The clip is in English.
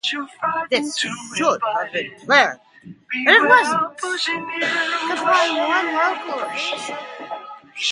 "This should have been planned for and it wasn't", complained one local official.